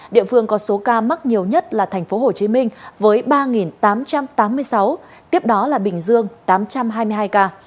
địa phương có số ca mắc nhiều nhất là tp hcm với ba tám trăm tám mươi sáu tiếp đó là bình dương tám trăm hai mươi hai ca